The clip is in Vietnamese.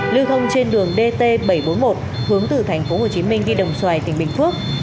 lưu thông trên đường dt bảy trăm bốn mươi một hướng từ thành phố hồ chí minh đi đồng xoài tỉnh bình phước